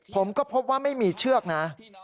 ผมก็พบว่าไม่มีเชือกนะ